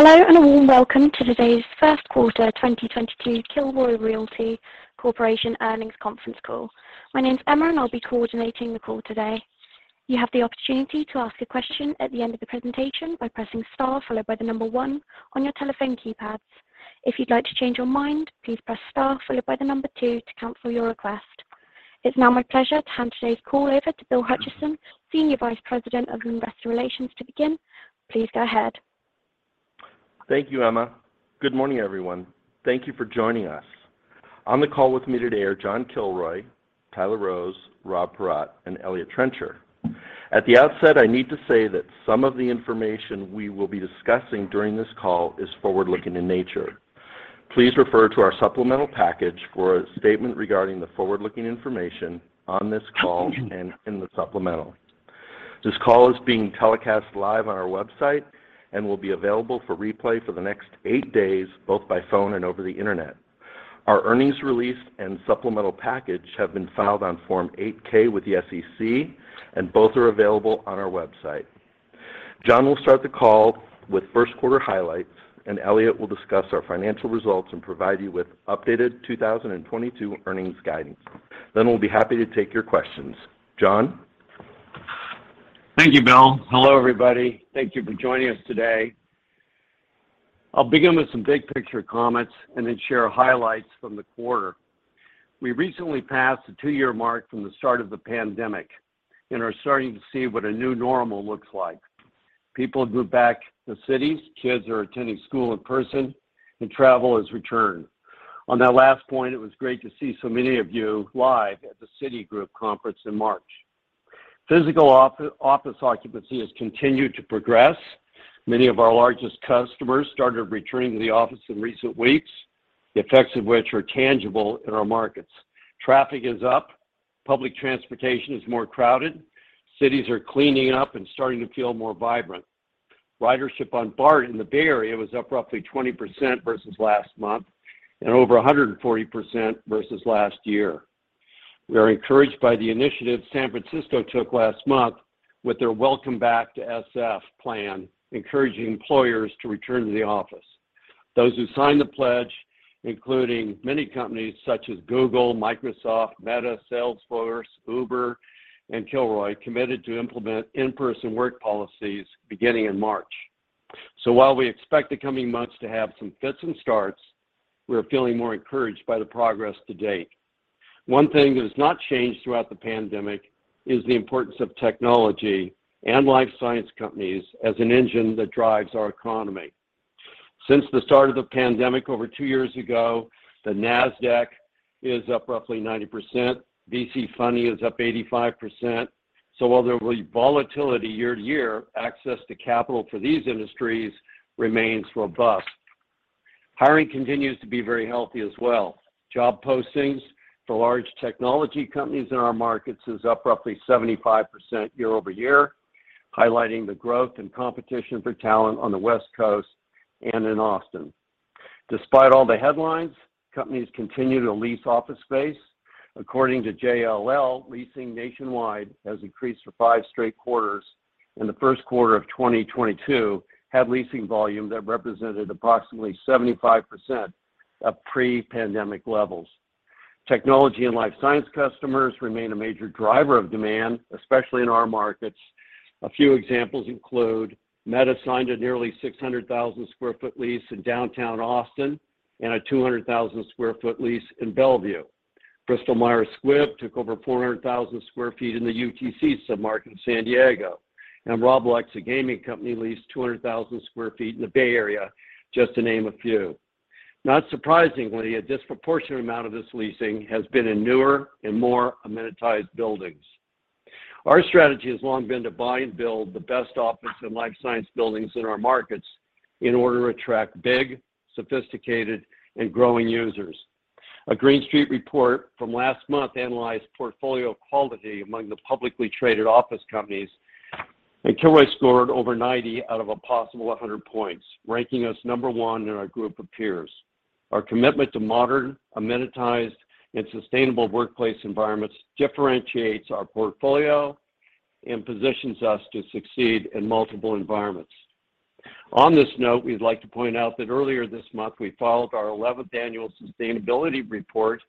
Hello, and a warm welcome to today's First Quarter 2022 Kilroy Realty Corporation Earnings Conference Call. My name's Emma, and I'll be coordinating the call today. You have the opportunity to ask a question at the end of the presentation by pressing star followed by the number one on your telephone keypads. If you'd like to change your mind, please press star followed by the number two to cancel your request. It's now my pleasure to hand today's call over to Bill Hutcheson, Senior Vice President of Investor Relations to begin. Please go ahead. Thank you, Emma. Good morning, everyone. Thank you for joining us. On the call with me today are John Kilroy, Tyler Rose, Rob Paratte, and Eliott Trencher. At the outset, I need to say that some of the information we will be discussing during this call is forward-looking in nature. Please refer to our supplemental package for a statement regarding the forward-looking information on this call and in the supplemental. This call is being webcast live on our website and will be available for replay for the next eight days, both by phone and over the Internet. Our earnings release and supplemental package have been filed on Form 8-K with the SEC, and both are available on our website. John will start the call with first quarter highlights, and Eliott will discuss our financial results and provide you with updated 2022 earnings guidance. We'll be happy to take your questions. John? Thank you, Bill. Hello, everybody. Thank you for joining us today. I'll begin with some big picture comments and then share highlights from the quarter. We recently passed the two-year mark from the start of the pandemic and are starting to see what a new normal looks like. People have moved back to cities, kids are attending school in person, and travel has returned. On that last point, it was great to see so many of you live at the Citigroup conference in March. Physical office occupancy has continued to progress. Many of our largest customers started returning to the office in recent weeks, the effects of which are tangible in our markets. Traffic is up, public transportation is more crowded, cities are cleaning up and starting to feel more vibrant. Ridership on BART in the Bay Area was up roughly 20% versus last month and over 140% versus last year. We are encouraged by the initiative San Francisco took last month with their Welcome Back to SF plan, encouraging employers to return to the office. Those who signed the pledge, including many companies such as Google, Microsoft, Meta, Salesforce, Uber, and Kilroy, committed to implement in-person work policies beginning in March. While we expect the coming months to have some fits and starts, we're feeling more encouraged by the progress to date. One thing that has not changed throughout the pandemic is the importance of technology and life science companies as an engine that drives our economy. Since the start of the pandemic over two years ago, the Nasdaq is up roughly 90%. VC funding is up 85%. While there will be volatility year to year, access to capital for these industries remains robust. Hiring continues to be very healthy as well. Job postings for large technology companies in our markets is up roughly 75% year-over-year, highlighting the growth and competition for talent on the West Coast and in Austin. Despite all the headlines, companies continue to lease office space. According to JLL, leasing nationwide has increased for five straight quarters. In the first quarter of 2022, had leasing volume that represented approximately 75% of pre-pandemic levels. Technology and life science customers remain a major driver of demand, especially in our markets. A few examples include Meta signed a nearly 600,000 sq ft lease in downtown Austin and a 200,000 sq ft lease in Bellevue. Bristol Myers Squibb took over 400,000 sq ft in the UTC submarket in San Diego, and Roblox, the gaming company, leased 200,000 sq ft in the Bay Area, just to name a few. Not surprisingly, a disproportionate amount of this leasing has been in newer and more amenitized buildings. Our strategy has long been to buy and build the best office and life science buildings in our markets in order to attract big, sophisticated, and growing users. A Green Street report from last month analyzed portfolio quality among the publicly traded office companies, and Kilroy scored over 90 out of a possible 100 points, ranking us number one in our group of peers. Our commitment to modern, amenitized, and sustainable workplace environments differentiates our portfolio and positions us to succeed in multiple environments. On this note, we'd like to point out that earlier this month, we filed our eleventh annual sustainability report.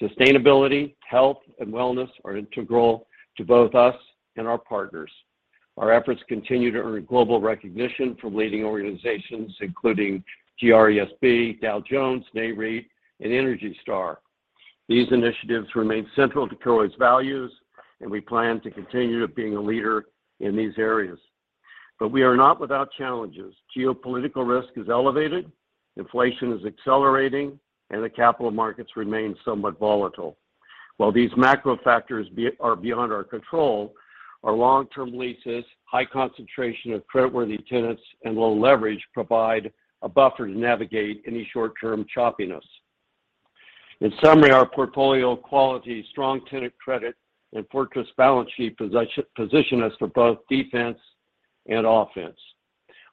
Sustainability, health, and wellness are integral to both us and our partners. Our efforts continue to earn global recognition from leading organizations, including GRESB, Dow Jones, Nareit, and ENERGY STAR. These initiatives remain central to Kilroy's values, and we plan to continue being a leader in these areas. We are not without challenges. Geopolitical risk is elevated, inflation is accelerating, and the capital markets remain somewhat volatile. While these macro factors are beyond our control, our long-term leases, high concentration of creditworthy tenants, and low leverage provide a buffer to navigate any short-term choppiness. In summary, our portfolio quality, strong tenant credit, and fortress balance sheet position us for both defense and offense.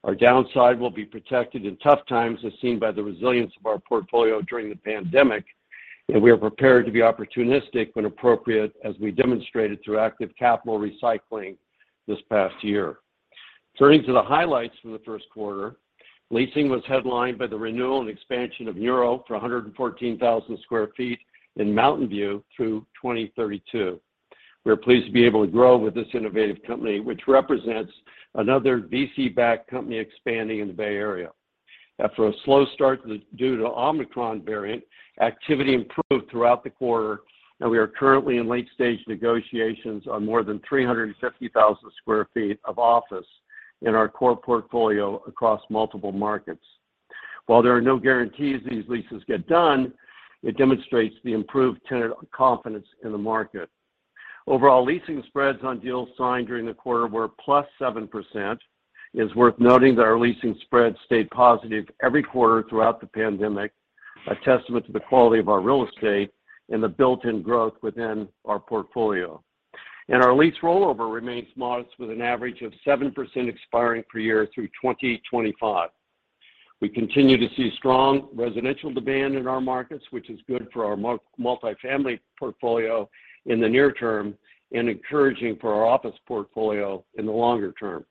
Our downside will be protected in tough times, as seen by the resilience of our portfolio during the pandemic. We are prepared to be opportunistic when appropriate, as we demonstrated through active capital recycling this past year. Turning to the highlights from the first quarter, leasing was headlined by the renewal and expansion of Nuro for 114,000 sq ft in Mountain View through 2032. We are pleased to be able to grow with this innovative company, which represents another VC-backed company expanding in the Bay Area. After a slow start due to Omicron variant, activity improved throughout the quarter, and we are currently in late stage negotiations on more than 350,000 sq ft of office in our core portfolio across multiple markets. While there are no guarantees these leases get done, it demonstrates the improved tenant confidence in the market. Overall, leasing spreads on deals signed during the quarter were +7%. It is worth noting that our leasing spreads stayed positive every quarter throughout the pandemic, a testament to the quality of our real estate and the built-in growth within our portfolio. Our lease rollover remains modest, with an average of 7% expiring per year through 2025. We continue to see strong residential demand in our markets, which is good for our multifamily portfolio in the near term and encouraging for our office portfolio in the longer term.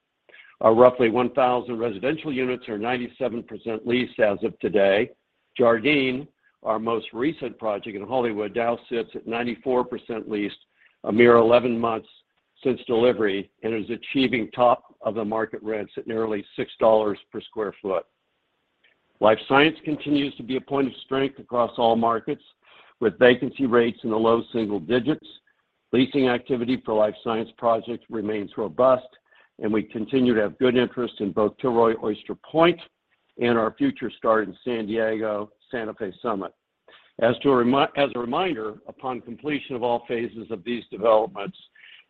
Our roughly 1,000 residential units are 97% leased as of today. Jardine, our most recent project in Hollywood, now sits at 94% leased, a mere 11 months since delivery, and is achieving top of the market rents at nearly $6 per sq ft. Life science continues to be a point of strength across all markets, with vacancy rates in the low single digits. Leasing activity for life science projects remains robust, and we continue to have good interest in both Kilroy Oyster Point and our future start in San Diego, Santa Fe Summit. As a reminder, upon completion of all phases of these developments,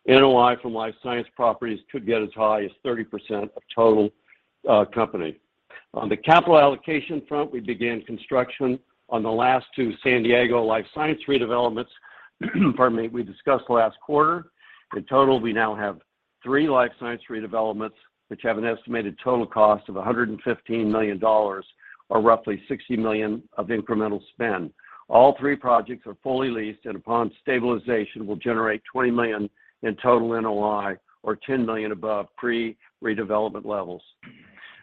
NOI from life science properties could get as high as 30% of total company. On the capital allocation front, we began construction on the last two San Diego life science redevelopments, pardon me, we discussed last quarter. In total, we now have three life science redevelopments, which have an estimated total cost of $115 million or roughly $60 million of incremental spend. All three projects are fully leased, and upon stabilization, will generate $20 million in total NOI or $10 million above pre-redevelopment levels.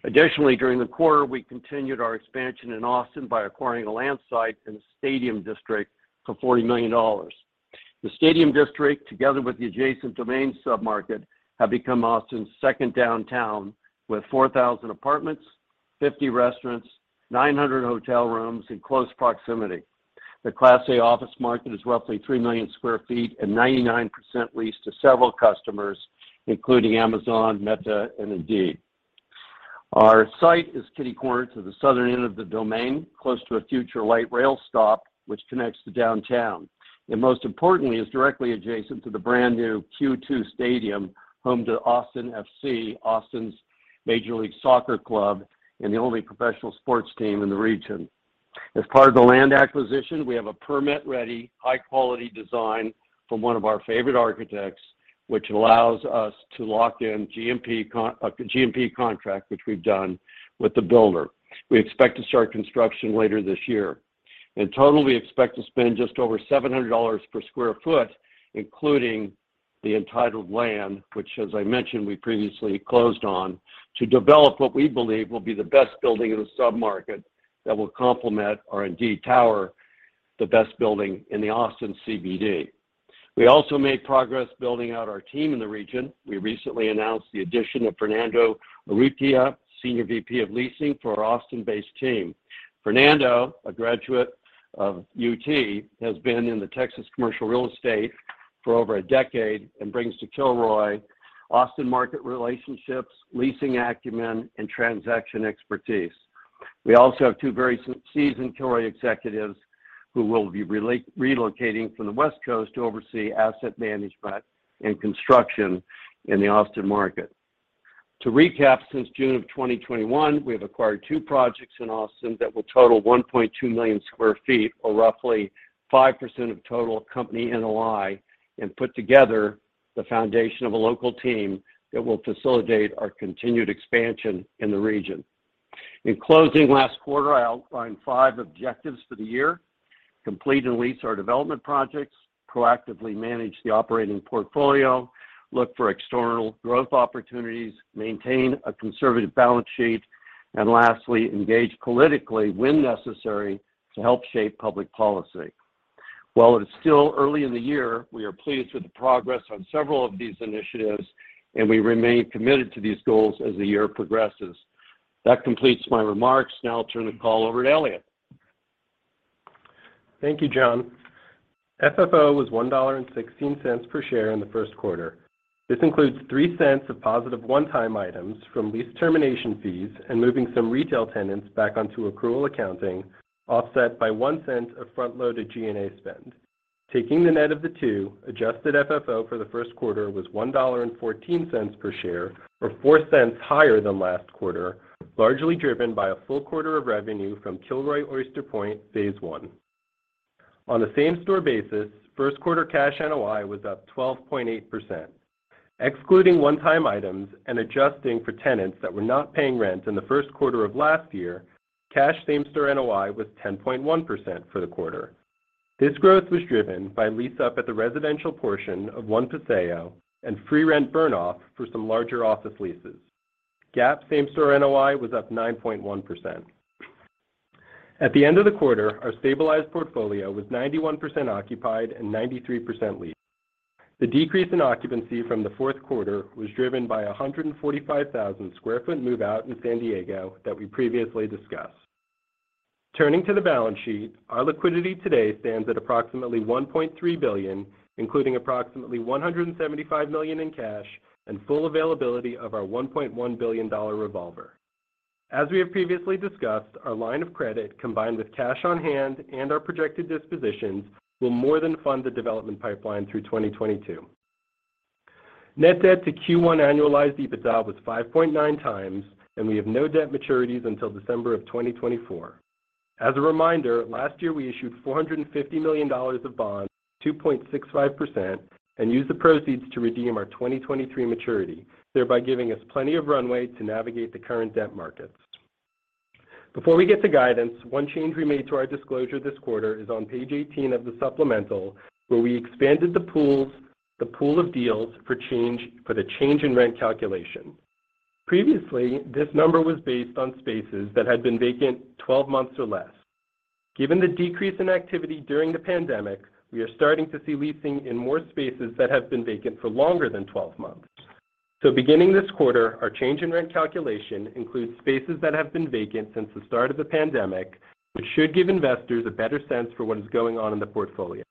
Additionally, during the quarter, we continued our expansion in Austin by acquiring a land site in the Stadium District for $40 million. The Stadium District, together with the adjacent Domain submarket, have become Austin's second downtown with 4,000 apartments, 50 restaurants, 900 hotel rooms in close proximity. The Class A office market is roughly 3 million sq ft and 99% leased to several customers, including Amazon, Meta, and Indeed. Our site is kitty-corner to the southern end of The Domain, close to a future light rail stop, which connects to downtown. Most importantly, it's directly adjacent to the brand-new Q2 Stadium, home to Austin FC, Austin's major league soccer club and the only professional sports team in the region. As part of the land acquisition, we have a permit-ready, high-quality design from one of our favorite architects, which allows us to lock in a GMP contract, which we've done with the builder. We expect to start construction later this year. In total, we expect to spend just over $700 per sq ft, including the entitled land, which, as I mentioned, we previously closed on, to develop what we believe will be the best building in the submarket that will complement our Indeed Tower, the best building in the Austin CBD. We also made progress building out our team in the region. We recently announced the addition of Fernando Urrutia, Senior VP of leasing for our Austin-based team. Fernando, a graduate of UT, has been in the Texas commercial real estate for over a decade and brings to Kilroy Austin market relationships, leasing acumen, and transaction expertise. We also have two very seasoned Kilroy executives who will be relocating from the West Coast to oversee asset management and construction in the Austin market. To recap, since June of 2021, we have acquired two projects in Austin that will total 1.2 million sq ft or roughly 5% of total company NOI and put together the foundation of a local team that will facilitate our continued expansion in the region. In closing last quarter, I outlined five objectives for the year. Complete and lease our development projects, proactively manage the operating portfolio, look for external growth opportunities, maintain a conservative balance sheet, and lastly, engage politically when necessary to help shape public policy. While it is still early in the year, we are pleased with the progress on several of these initiatives, and we remain committed to these goals as the year progresses. That completes my remarks. Now I'll turn the call over to Eliott. Thank you, John. FFO was $1.16 per share in the first quarter. This includes $0.03 of positive one-time items from lease termination fees and moving some retail tenants back onto accrual accounting, offset by $0.01 of front-loaded G&A spend. Taking the net of the two, adjusted FFO for the first quarter was $1.14 per share or $0.04 higher than last quarter, largely driven by a full quarter of revenue from Kilroy Oyster Point, phase I. On a same-store basis, first quarter cash NOI was up 12.8%. Excluding one-time items and adjusting for tenants that were not paying rent in the first quarter of last year, cash same-store NOI was 10.1% for the quarter. This growth was driven by lease-up at the residential portion of One Paseo and free rent burn-off for some larger office leases. Same-store NOI was up 9.1%. At the end of the quarter, our stabilized portfolio was 91% occupied and 93% leased. The decrease in occupancy from the fourth quarter was driven by a 145,000 sq ft move-out in San Diego that we previously discussed. Turning to the balance sheet, our liquidity today stands at approximately $1.3 billion, including approximately $175 million in cash and full availability of our $1.1 billion revolver. As we have previously discussed, our line of credit, combined with cash on hand and our projected dispositions, will more than fund the development pipeline through 2022. Net debt to Q1 annualized EBITDA was 5.9x, and we have no debt maturities until December of 2024. As a reminder, last year we issued $450 million of bonds, 2.65%, and used the proceeds to redeem our 2023 maturity, thereby giving us plenty of runway to navigate the current debt markets. Before we get to guidance, one change we made to our disclosure this quarter is on page 18 of the supplemental, where we expanded the pool of deals for the change in rent calculation. Previously, this number was based on spaces that had been vacant 12 months or less. Given the decrease in activity during the pandemic, we are starting to see leasing in more spaces that have been vacant for longer than 12 months. Beginning this quarter, our change in rent calculation includes spaces that have been vacant since the start of the pandemic, which should give investors a better sense for what is going on in the portfolio.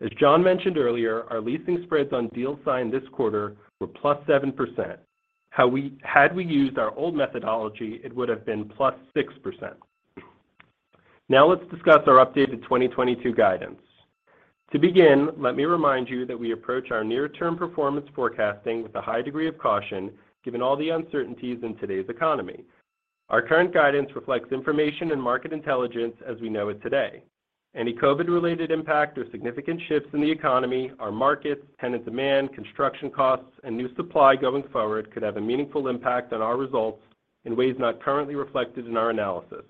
As John mentioned earlier, our leasing spreads on deals signed this quarter were +7%. Had we used our old methodology, it would have been +6%. Now let's discuss our updated 2022 guidance. To begin, let me remind you that we approach our near-term performance forecasting with a high degree of caution, given all the uncertainties in today's economy. Our current guidance reflects information and market intelligence as we know it today. Any COVID-related impact or significant shifts in the economy, our markets, tenant demand, construction costs, and new supply going forward could have a meaningful impact on our results in ways not currently reflected in our analysis.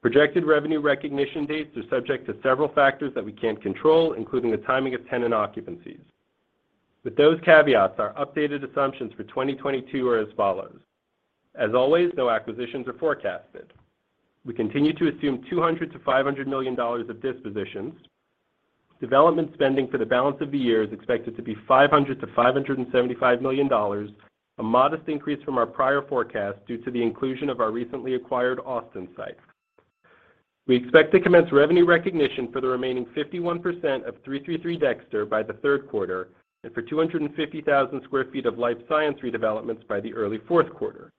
Projected revenue recognition dates are subject to several factors that we can't control, including the timing of tenant occupancies. With those caveats, our updated assumptions for 2022 are as follows. As always, no acquisitions are forecasted. We continue to assume $200 million-$500 million of dispositions. Development spending for the balance of the year is expected to be $500 million-$575 million, a modest increase from our prior forecast due to the inclusion of our recently acquired Austin site. We expect to commence revenue recognition for the remaining 51% of 333 Dexter by the third quarter and for 250,000 sq ft of life science redevelopments by the early fourth quarter.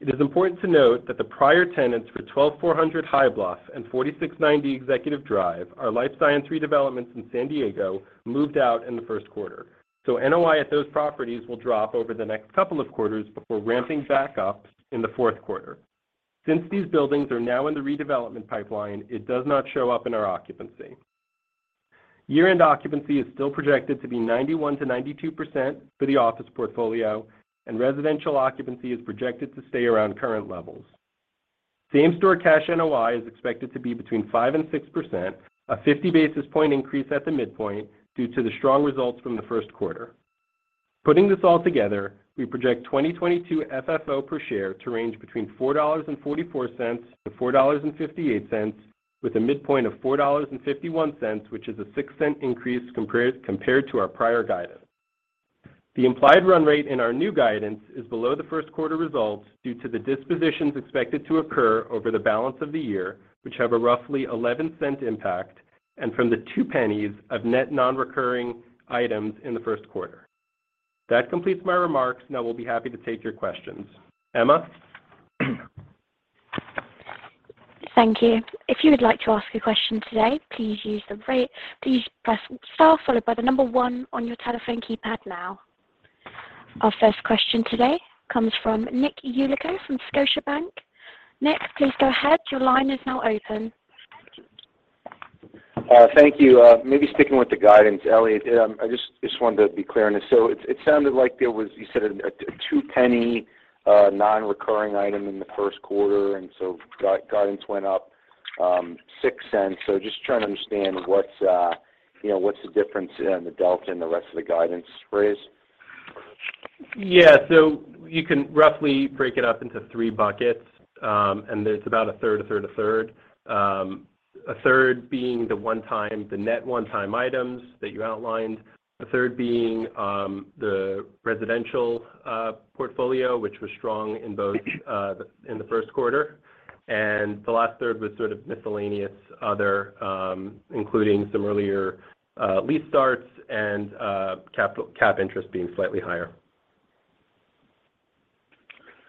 It is important to note that the prior tenants for 12400 High Bluff and 4690 Executive Drive, our life science redevelopments in San Diego, moved out in the first quarter. NOI at those properties will drop over the next couple of quarters before ramping back up in the fourth quarter. These buildings are now in the redevelopment pipeline, it does not show up in our occupancy. Year-end occupancy is still projected to be 91%-92% for the office portfolio, and residential occupancy is projected to stay around current levels. Same-store cash NOI is expected to be between 5% and 6%, a 50 basis point increase at the midpoint due to the strong results from the first quarter. Putting this all together, we project 2022 FFO per share to range between $4.44 and $4.58 with a midpoint of $4.51, which is a $0.06 increase compared to our prior guidance. The implied run rate in our new guidance is below the first quarter results due to the dispositions expected to occur over the balance of the year, which have a roughly $0.11 impact, and from the $0.02 of net non-recurring items in the first quarter. That completes my remarks. Now we'll be happy to take your questions. Emma? Thank you. If you would like to ask a question today, please press star followed by the number one on your telephone keypad now. Our first question today comes from Nick Yulico from Scotiabank. Nick, please go ahead. Your line is now open. Thank you. Maybe sticking with the guidance, Eliott, I just wanted to be clear on this. It sounded like there was, you said a $0.02 non-recurring item in the first quarter, and guidance went up $0.06. Just trying to understand what's the difference and the delta in the rest of the guidance spreads. Yeah. You can roughly break it up into three buckets, and there's about a third, a third, a third. A third being the net one-time items that you outlined, a third being the residential portfolio, which was strong in both the first quarter, and the last third was sort of miscellaneous other, including some earlier lease starts and cap interest being slightly higher.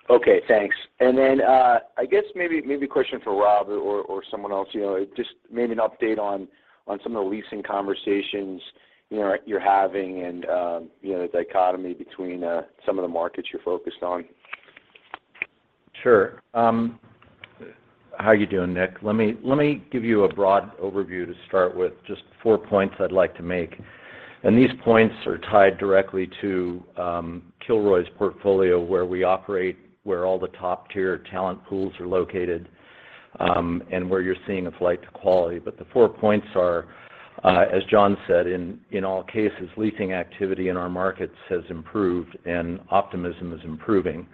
Okay, thanks. I guess maybe a question for Rob or someone else, you know, just maybe an update on some of the leasing conversations, you know, you're having and you know, the dichotomy between some of the markets you're focused on. Sure. How you doing, Nick? Let me give you a broad overview to start with, just four points I'd like to make. These points are tied directly to Kilroy's portfolio, where we operate, where all the top-tier talent pools are located, and where you're seeing a flight to quality. The four points are, as John said, in all cases, leasing activity in our markets has improved and optimism is improving.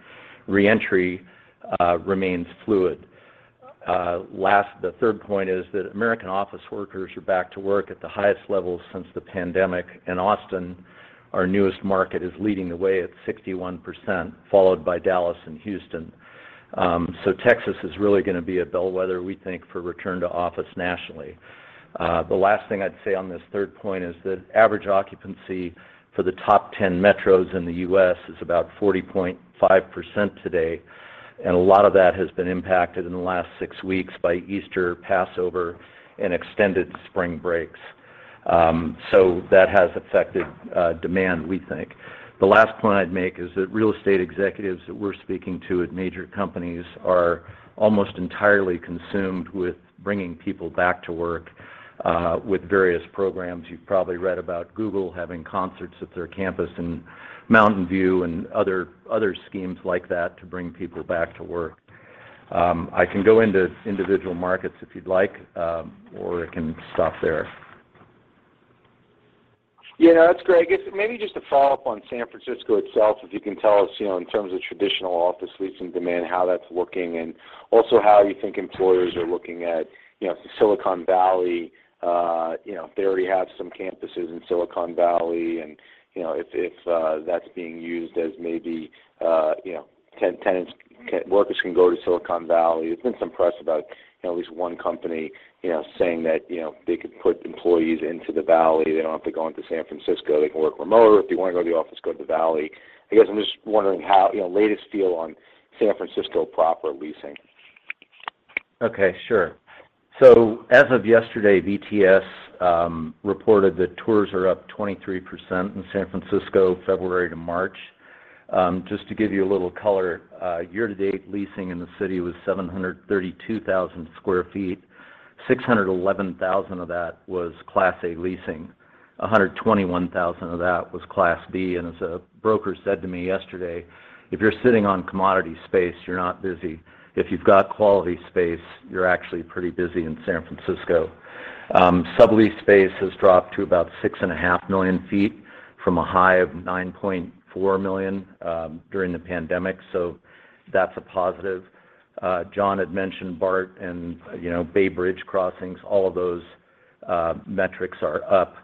Reentry remains fluid. The third point is that American office workers are back to work at the highest levels since the pandemic. In Austin, our newest market is leading the way at 61%, followed by Dallas and Houston. So Texas is really gonna be a bellwether, we think, for return to office nationally. The last thing I'd say on this third point is that average occupancy for the top 10 metros in the U.S. is about 40.5% today, and a lot of that has been impacted in the last six weeks by Easter, Passover, and extended spring breaks. That has affected demand, we think. The last point I'd make is that real estate executives that we're speaking to at major companies are almost entirely consumed with bringing people back to work with various programs. You've probably read about Google having concerts at their campus in Mountain View and other schemes like that to bring people back to work. I can go into individual markets if you'd like, or I can stop there. Yeah, that's great. I guess maybe just to follow up on San Francisco itself, if you can tell us, you know, in terms of traditional office leasing demand, how that's looking, and also how you think employers are looking at, you know, Silicon Valley, you know, if they already have some campuses in Silicon Valley and, you know, if that's being used as maybe, you know, workers can go to Silicon Valley. There's been some press about, you know, at least one company, you know, saying that, you know, they could put employees into the valley. They don't have to go into San Francisco. They can work remote, or if they wanna go to the office, go to the valley. I guess I'm just wondering how, you know, latest feel on San Francisco proper leasing. Okay, sure. As of yesterday, VTS reported that tours are up 23% in San Francisco, February to March. Just to give you a little color, year-to-date leasing in the city was 732,000 sq ft. 611,000 of that was Class A leasing. 121,000 of that was Class B. As a broker said to me yesterday, "If you're sitting on commodity space, you're not busy. If you've got quality space, you're actually pretty busy in San Francisco." Sublease space has dropped to about 6.5 million sq ft from a high of 9.4 million sq ft during the pandemic, so that's a positive. John had mentioned BART and, you know, Bay Bridge crossings. All of those metrics are up.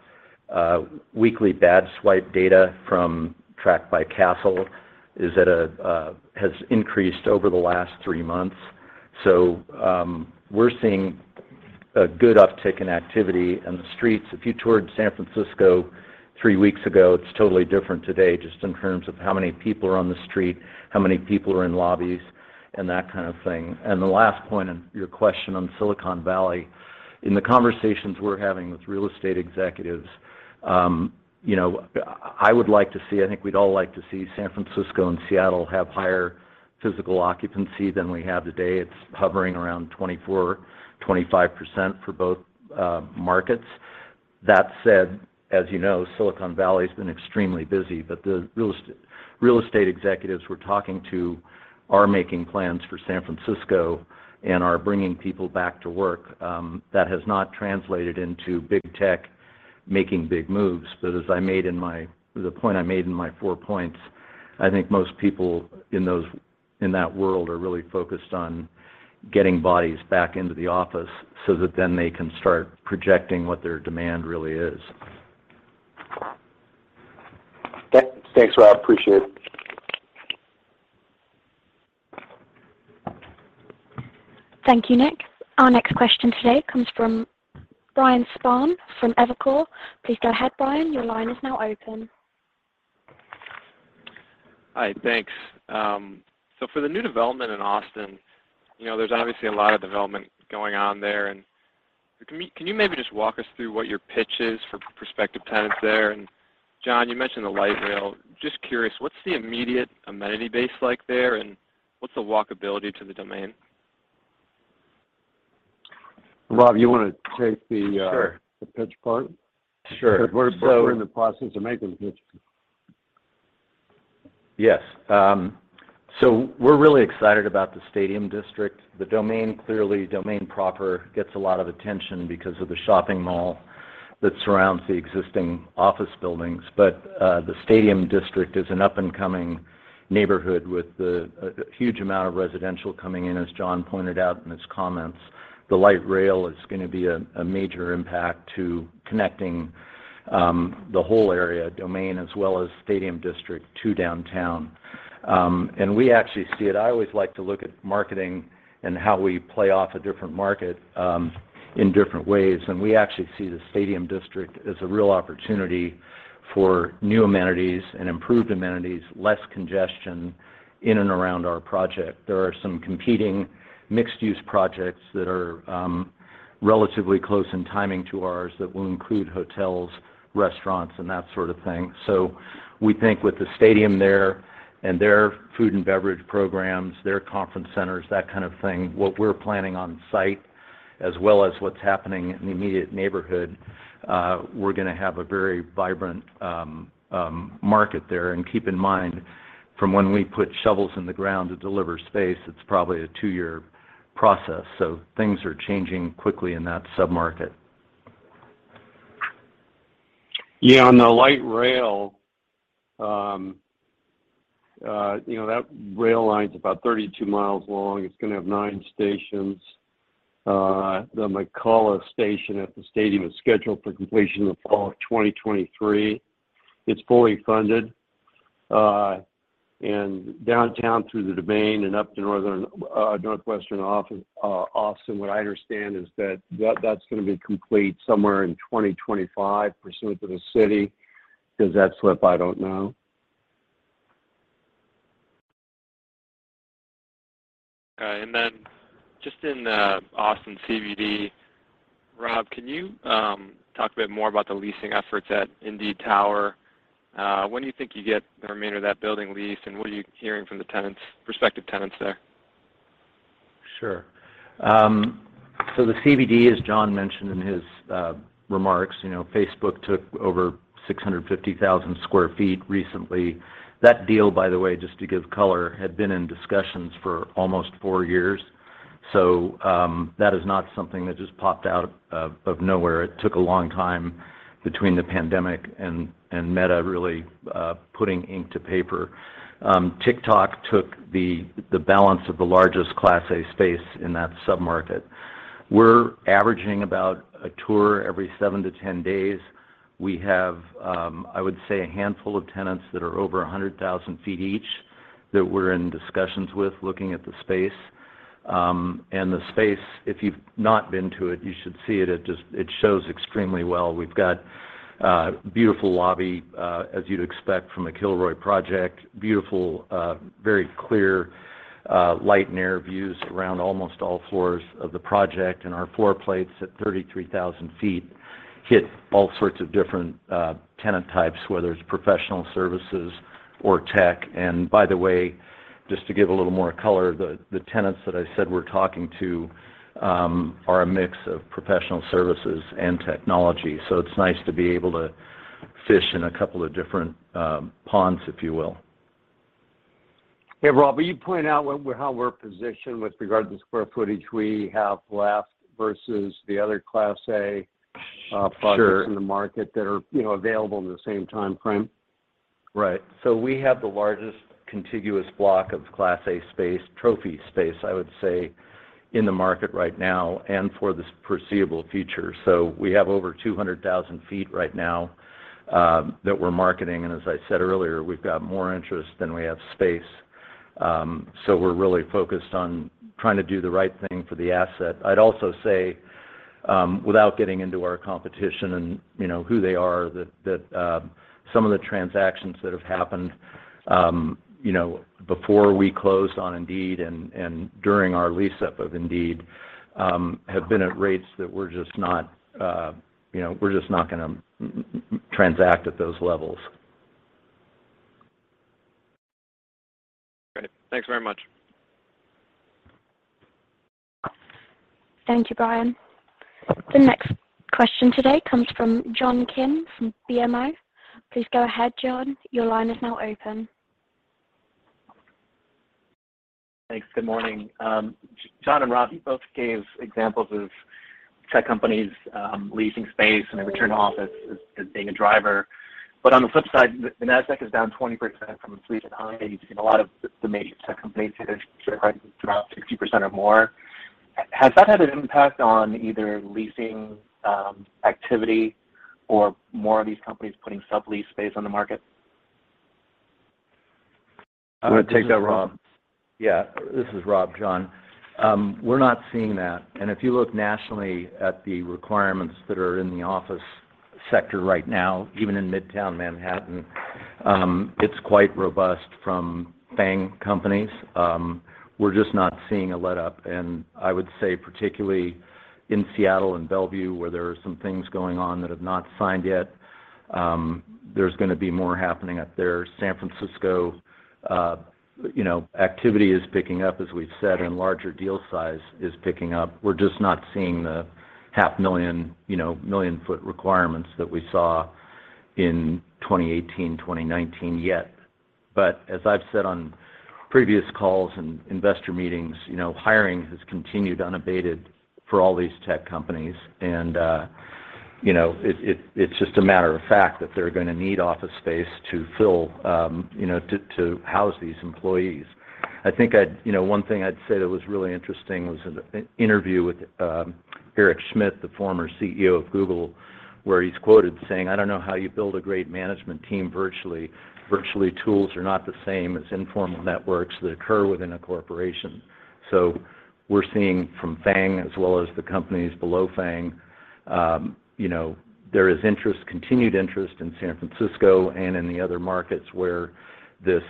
Weekly badge swipe data from Track by Kastle has increased over the last three months. We're seeing a good uptick in activity in the streets. If you toured San Francisco three weeks ago, it's totally different today, just in terms of how many people are on the street, how many people are in lobbies, and that kind of thing. The last point in your question on Silicon Valley, in the conversations we're having with real estate executives, you know, I would like to see. I think we'd all like to see San Francisco and Seattle have higher physical occupancy than we have today. It's hovering around 24%, 25% for both markets. That said, as you know, Silicon Valley's been extremely busy, but the real estate executives we're talking to are making plans for San Francisco and are bringing people back to work. That has not translated into big tech making big moves. But the point I made in my four points, I think most people in that world are really focused on getting bodies back into the office so that then they can start projecting what their demand really is. Okay. Thanks, Rob. Appreciate it. Thank you, Nick. Our next question today comes from Brian Spahn from Evercore. Please go ahead, Brian. Your line is now open. Hi. Thanks. For the new development in Austin, you know, there's obviously a lot of development going on there, and can you maybe just walk us through what your pitch is for prospective tenants there? John, you mentioned the light rail. Just curious, what's the immediate amenity base like there, and what's the walkability to The Domain? Rob, you wanna take the pitch part? Sure. 'Cause we're in the process of making the pitch. Yes. We're really excited about the Stadium District. The Domain, clearly Domain proper gets a lot of attention because of the shopping mall that surrounds the existing office buildings. But the Stadium District is an up-and-coming neighborhood with a huge amount of residential coming in, as John pointed out in his comments. The light rail is gonna be a major impact to connecting the whole area, Domain as well as Stadium District, to downtown. We actually see it. I always like to look at marketing and how we play off a different market, in different ways, and we actually see the Stadium District as a real opportunity for new amenities and improved amenities, less congestion in and around our project. There are some competing mixed-use projects that are, relatively close in timing to ours that will include hotels, restaurants, and that sort of thing. We think with the stadium there and their food and beverage programs, their conference centers, that kind of thing, what we're planning on site as well as what's happening in the immediate neighborhood, we're gonna have a very vibrant, market there. Keep in mind from when we put shovels in the ground to deliver space, it's probably a two-year process. Things are changing quickly in that sub-market. Yeah, on the light rail, you know, that rail line's about 32 miles long. It's gonna have nine stations. The McKalla Station at the stadium is scheduled for completion in the fall of 2023. It's fully funded. Downtown through The Domain and up to northwestern Austin, what I understand is that that's gonna be complete somewhere in 2025. Pursuant to the city, if that slipped, I don't know. All right. Just in Austin CBD, Rob, can you talk a bit more about the leasing efforts at Indeed Tower? When do you think you get the remainder of that building leased, and what are you hearing from the tenants, prospective tenants there? Sure. The CBD, as John mentioned in his remarks, you know, Facebook took over 650,000 sq ft recently. That deal, by the way, just to give color, had been in discussions for almost four years. That is not something that just popped out of nowhere. It took a long time between the pandemic and Meta really putting ink to paper. TikTok took the balance of the largest Class A space in that sub-market. We're averaging about a tour every 7-10 days. We have, I would say, a handful of tenants that are over 100,000 sq ft each that we're in discussions with looking at the space. The space, if you've not been to it, you should see it. It just shows extremely well. We've got a beautiful lobby, as you'd expect from a Kilroy project, beautiful, very clear, light and air views around almost all floors of the project. Our floor plates at 33,000 sq ft hit all sorts of different tenant types, whether it's professional services or tech. By the way, just to give a little more color, the tenants that I said we're talking to are a mix of professional services and technology. It's nice to be able to fish in a couple of different ponds, if you will. Hey, Rob, will you point out how we're positioned with regard to the square footage we have left versus the other Class A projects? In the market that are, you know, available in the same timeframe? Right. We have the largest contiguous block of Class A space, trophy space, I would say, in the market right now and for this foreseeable future. We have over 200,000 sq ft right now that we're marketing, and as I said earlier, we've got more interest than we have space. We're really focused on trying to do the right thing for the asset. I'd also say, without getting into our competition and, you know, who they are, that some of the transactions that have happened, you know, before we closed on Indeed and during our lease-up of Indeed, have been at rates that we're just not, you know, we're just not gonna transact at those levels. Great. Thanks very much. Thank you, Brian. The next question today comes from John Kim from BMO. Please go ahead, John. Your line is now open. Thanks. Good morning. John and Rob, you both gave examples of tech companies leasing space and a return to office as being a driver. On the flip side, the Nasdaq is down 20% from its recent high. You've seen a lot of the major tech companies, their share prices drop 60% or more. Has that had an impact on either leasing activity or more of these companies putting sublease space on the market? You wanna take that, Rob? Yeah. This is Rob, John. We're not seeing that. If you look nationally at the requirements that are in the office sector right now, even in Midtown Manhattan, it's quite robust from FAANG companies. We're just not seeing a letup. I would say particularly in Seattle and Bellevue, where there are some things going on that have not signed yet, there's gonna be more happening up there. San Francisco, you know, activity is picking up, as we've said, and larger deal size is picking up. We're just not seeing the 500,000, you know, 1 million-foot requirements that we saw in 2018, 2019 yet. As I've said on previous calls and investor meetings, you know, hiring has continued unabated for all these tech companies. You know, it's just a matter of fact that they're gonna need office space to fill, you know, to house these employees. You know, one thing I'd say that was really interesting was an interview with Eric Schmidt, the former CEO of Google, where he's quoted saying, "I don't know how you build a great management team virtually. Virtual tools are not the same as informal networks that occur within a corporation." We're seeing from FAANG as well as the companies below FAANG, you know, there is interest, continued interest in San Francisco and in the other markets where this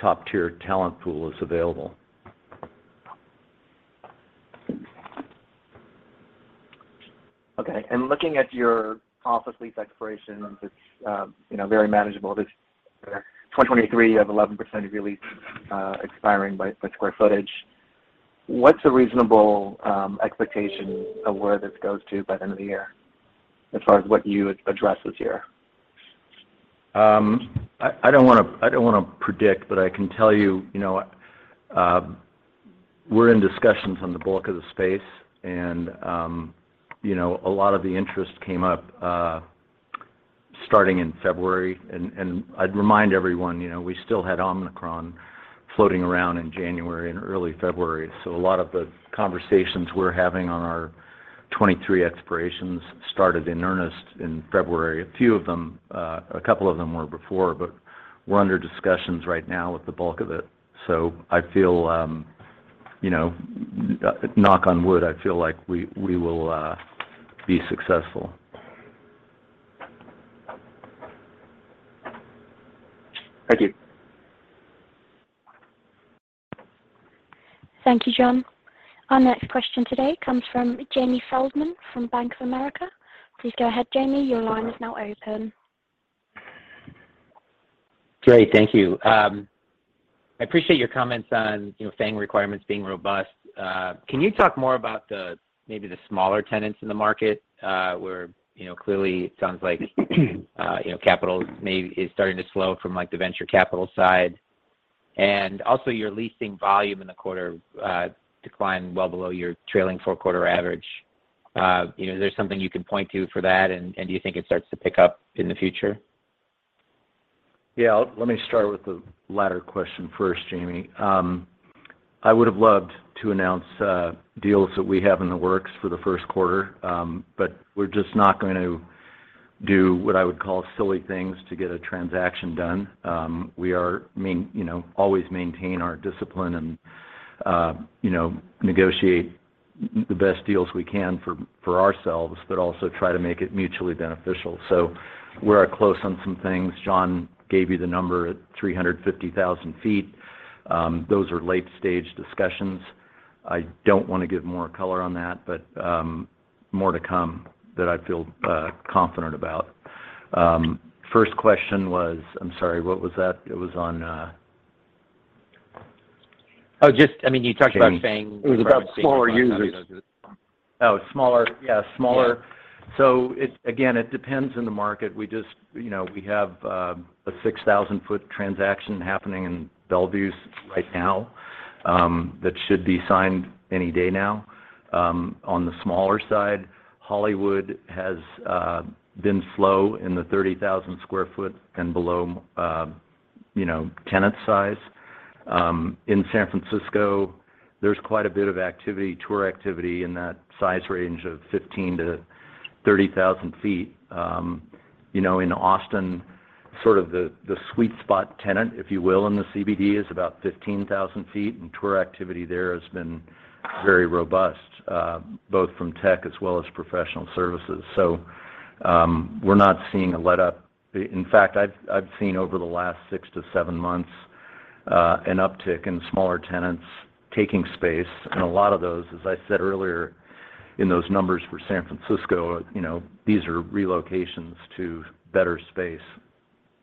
top-tier talent pool is available. Okay. Looking at your office lease expirations, it's very manageable. In 2023, you have 11% of your lease expiring by square footage. What's a reasonable expectation of where this goes to by end of the year as far as what you address this year? I don't wanna predict, but I can tell you know, we're in discussions on the bulk of the space, and, you know, a lot of the interest came up, starting in February. I'd remind everyone, you know, we still had Omicron floating around in January and early February. A lot of the conversations we're having on our 2023 expirations started in earnest in February. A few of them, a couple of them were before, but we're under discussions right now with the bulk of it. I feel, you know, knock on wood, I feel like we will be successful. Thank you. Thank you, John. Our next question today comes from Jamie Feldman from Bank of America. Please go ahead, Jamie. Your line is now open. Great. Thank you. I appreciate your comments on, you know, FAANG requirements being robust. Can you talk more about the, maybe the smaller tenants in the market, where, you know, clearly it sounds like, you know, capital maybe is starting to slow from, like, the venture capital side. Also your leasing volume in the quarter declined well below your trailing four-quarter average. Is there something you can point to for that, and do you think it starts to pick up in the future? Yeah. Let me start with the latter question first, Jamie. I would have loved to announce deals that we have in the works for the first quarter, but we're just not going to do what I would call silly things to get a transaction done. We always maintain our discipline and negotiate the best deals we can for ourselves, but also try to make it mutually beneficial. We're close on some things. John gave you the number at 350,000 sq ft. Those are late stage discussions. I don't wanna give more color on that, but more to come that I feel confident about. First question was. I'm sorry, what was that? It was on-- Oh, just, I mean, you talked about FAANG. It was about smaller users. Oh, smaller. Yeah, smaller. It depends on the market. We just, you know, we have a 6,000 sq ft transaction happening in Bellevue right now that should be signed any day now. On the smaller side, Hollywood has been slow in the 30,000 sq ft and below, you know, tenant size. In San Francisco, there's quite a bit of activity, tour activity in that size range of 15,000-30,000 sq ft. You know, in Austin, sort of the sweet spot tenant, if you will, in the CBD is about 15,000 sq ft, and tour activity there has been very robust both from tech as well as professional services. We're not seeing a letup. In fact, I've seen over the last six-seven months an uptick in smaller tenants taking space. A lot of those, as I said earlier in those numbers for San Francisco, you know, these are relocations to better space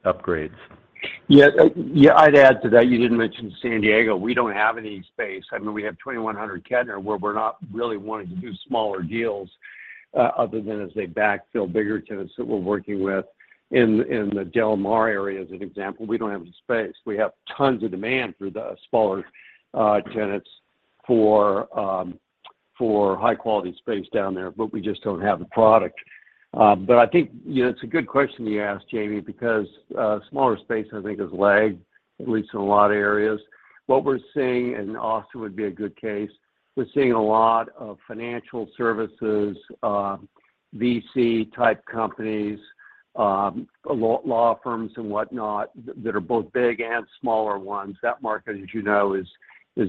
upgrades. Yeah. Yeah, I'd add to that. You didn't mention San Diego. We don't have any space. I mean, we have 2100 Kettner where we're not really wanting to do smaller deals, other than as they backfill bigger tenants that we're working with. In the Del Mar area, as an example, we don't have the space. We have tons of demand for the smaller tenants for high quality space down there, but we just don't have the product. But I think, you know, it's a good question you ask, Jamie, because smaller space, I think, has lagged, at least in a lot of areas. What we're seeing, and Austin would be a good case, we're seeing a lot of financial services, VC type companies, law firms and whatnot that are both big and smaller ones. That market, as you know, is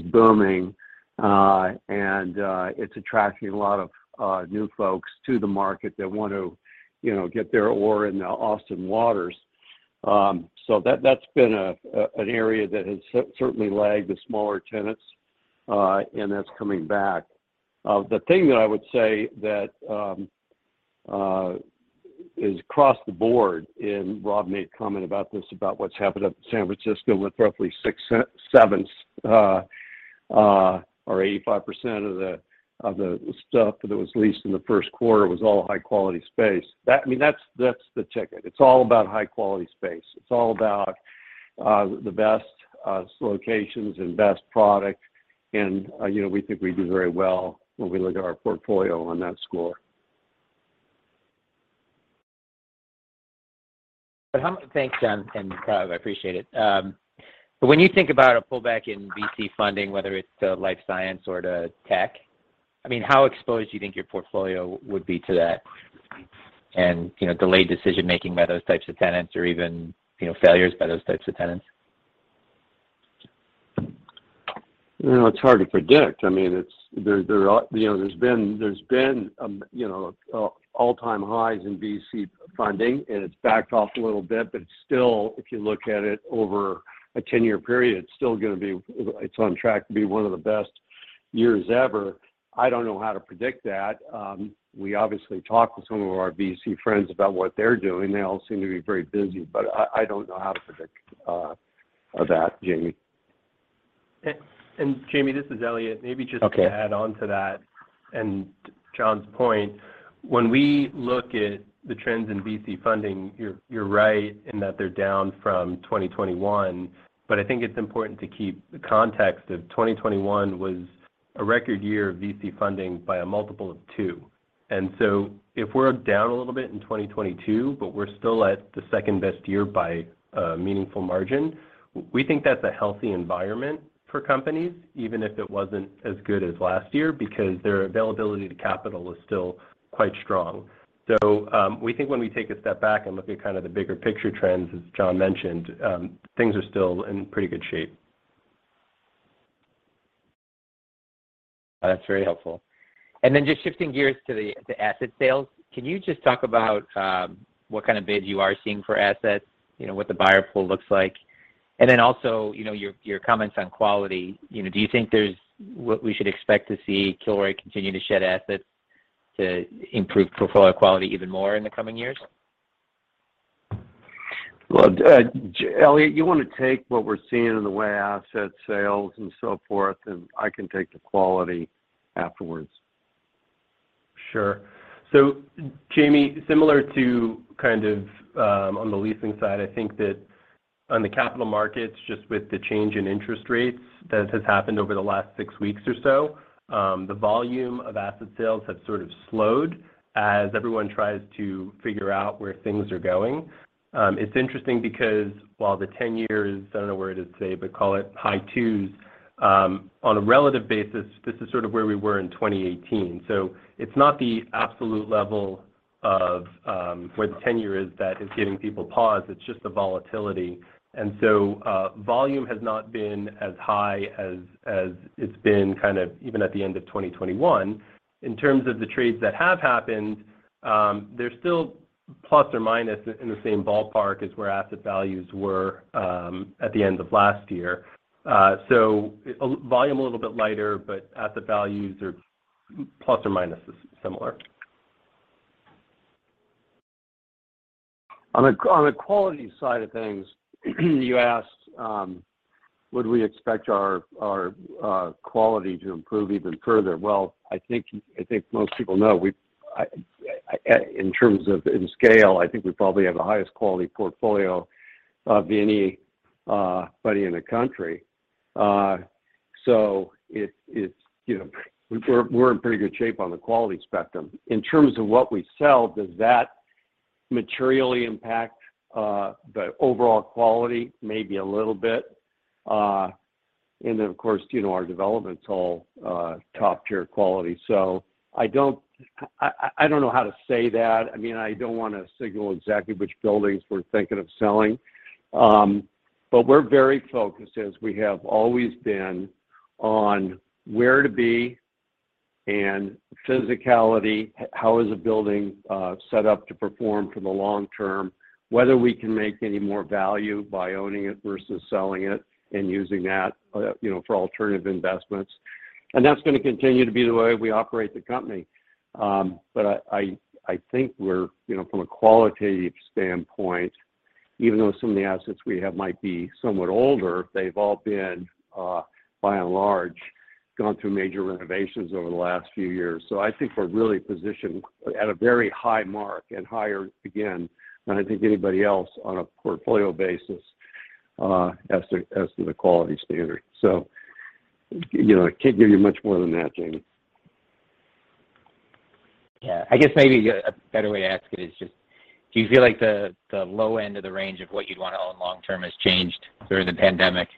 booming. It's attracting a lot of new folks to the market that want to, you know, get their oar in the Austin waters. So that's been an area that has certainly lagged the smaller tenants, and that's coming back. The thing that I would say that is across the board, and Rob made a comment about this, about what's happened up in San Francisco with roughly six-sevenths-- or 85% of the stuff that was leased in the first quarter was all high quality space. That, I mean, that's the ticket. It's all about high quality space. It's all about the best locations and best product. You know, we think we do very well when we look at our portfolio on that score. Thanks, John, and Rob. I appreciate it. When you think about a pullback in VC funding, whether it's the life science or the tech, I mean, how exposed do you think your portfolio would be to that and, you know, delayed decision-making by those types of tenants or even, you know, failures by those types of tenants? You know, it's hard to predict. I mean, you know, there's been all-time highs in VC funding, and it's backed off a little bit. But it's still, if you look at it over a 10-year period, it's on track to be one of the best years ever. I don't know how to predict that. We obviously talk with some of our VC friends about what they're doing. They all seem to be very busy, but I don't know how to predict that, Jamie. Jamie, this is Eliott. Maybe just to add on to that and John's point, when we look at the trends in VC funding, you're right in that they're down from 2021, but I think it's important to keep the context of 2021 was a record year of VC funding by a multiple of two. If we're down a little bit in 2022, but we're still at the second-best year by a meaningful margin, we think that's a healthy environment for companies, even if it wasn't as good as last year, because their availability to capital is still quite strong. We think when we take a step back and look at kind of the bigger picture trends, as John mentioned, things are still in pretty good shape. That's very helpful. Then just shifting gears to the asset sales. Can you just talk about what kind of bid you are seeing for assets, you know, what the buyer pool looks like? Then also, you know, your comments on quality. You know, do you think we should expect to see Kilroy continue to shed assets to improve portfolio quality even more in the coming years? Well, Eliott, you wanna take what we're seeing in the wake of asset sales and so forth, and I can take the qualitative afterwards. Sure. Jamie, similar to kind of on the leasing side, I think that on the capital markets, just with the change in interest rates that has happened over the last six weeks or so, the volume of asset sales have sort of slowed as everyone tries to figure out where things are going. It's interesting because while the 10-year is, I don't know where it is today, but call it high twos, on a relative basis, this is sort of where we were in 2018. It's not the absolute level of where the 10-year is that is giving people pause, it's just the volatility. Volume has not been as high as it's been kind of even at the end of 2021. In terms of the trades that have happened, they're still plus or minus in the same ballpark as where asset values were at the end of last year. Volume a little bit lighter, but asset values are plus or minus similar. On the quality side of things, you asked, would we expect our quality to improve even further? Well, I think most people know. In terms of scale, I think we probably have the highest quality portfolio of anybody in the country. So it's, you know, we're in pretty good shape on the quality spectrum. In terms of what we sell, does that materially impact the overall quality? Maybe a little bit. Then of course, you know, our development's all top-tier quality. I don't know how to say that. I mean, I don't wanna signal exactly which buildings we're thinking of selling. We're very focused, as we have always been, on where to be and physicality, how is a building set up to perform for the long term, whether we can make any more value by owning it versus selling it and using that, you know, for alternative investments. That's gonna continue to be the way we operate the company. I think we're, you know, from a qualitative standpoint, even though some of the assets we have might be somewhat older, they've all been, by and large, gone through major renovations over the last few years. I think we're really positioned at a very high mark and higher, again, than I think anybody else on a portfolio basis, as to the quality standard. You know, I can't give you much more than that, Jamie. Yeah. I guess maybe a better way to ask it is just, do you feel like the low end of the range of what you'd want to own long term has changed during the pandemic?